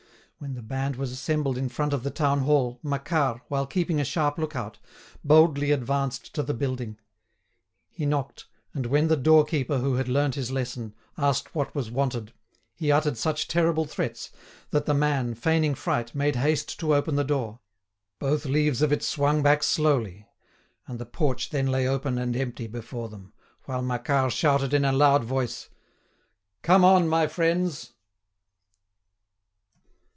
When the band was assembled in front of the town hall, Macquart, while keeping a sharp look out, boldly advanced to the building. He knocked, and when the door keeper, who had learnt his lesson, asked what was wanted, he uttered such terrible threats, that the man, feigning fright, made haste to open the door. Both leaves of it swung back slowly, and the porch then lay open and empty before them, while Macquart shouted in a loud voice: "Come on, my friends!"